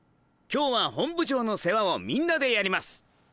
今日は本部長の世話をみんなでやります。